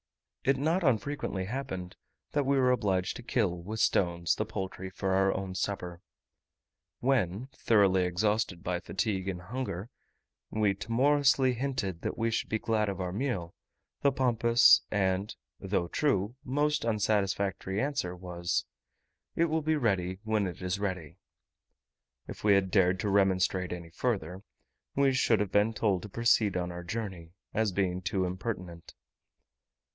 It not unfrequently happened, that we were obliged to kill, with stones, the poultry for our own supper. When, thoroughly exhausted by fatigue and hunger, we timorously hinted that we should be glad of our meal, the pompous, and (though true) most unsatisfactory answer was, "It will be ready when it is ready." If we had dared to remonstrate any further, we should have been told to proceed on our journey, as being too impertinent.